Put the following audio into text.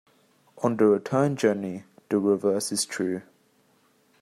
On the return journey, the reverse is true.